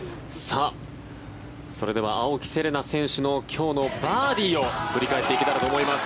それでは青木瀬令奈選手の今日のバーディーを振り返っていけたらと思います。